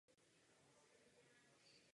Jindřichovi bylo v té době pět let.